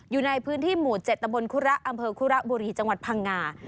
อยู่ในพื้นที่หมู่๗ตะบนคุระอำเภอคุระบุรีจังหวัดพังงา